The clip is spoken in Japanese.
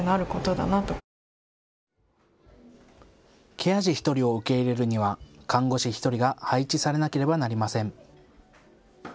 ケア児１人を受け入れるには看護師１人が配置されなければなりません。